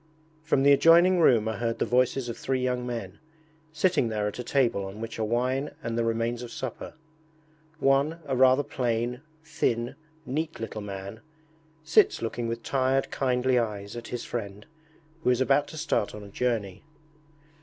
From the adjoining room are heard the voices of three young men, sitting there at a table on which are wine and the remains of supper. One, a rather plain, thin, neat little man, sits looking with tired kindly eyes at his friend, who is about to start on a journey.